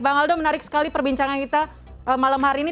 bang aldo menarik sekali perbincangan kita malam hari ini